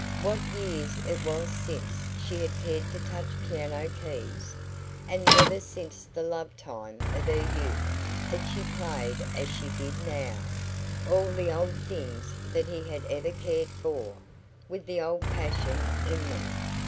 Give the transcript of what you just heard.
What years it was since she had cared to touch piano keys! And never since the love time of her youth had she played as she did now all the old things that he had ever cared for, with the old passion in them....